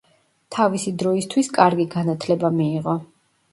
თავისი დროისთვის კარგი განათლება მიიღო.